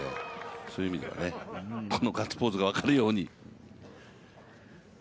そういう意味では、このガッツポーズで分かるように。